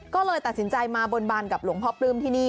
ก็เลยตัดสินใจมาบนบานกับหลวงพ่อปลื้มที่นี่